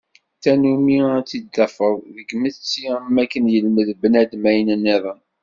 D tannumi ad tt-id-tafeḍ deg tmetti am wakken yelmed bnadem ayen nniḍen.